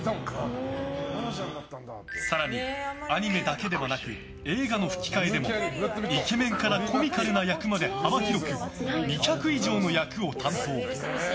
更に、アニメだけではなく映画の吹き替えでもイケメンからコミカルな役まで幅広く２００以上の役を担当。